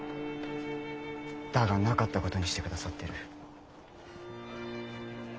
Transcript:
だがなかったことにしてくださっている。